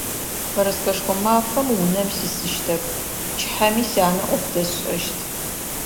Бэрэскэшхо мафэм унэм сисыщтэп, пчыхьэми сянэ ӏоф дэсшӏэщт.